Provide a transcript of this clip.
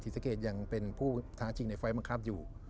สะเกดยังเป็นผู้ท้าจริงในไฟล์บังคับอยู่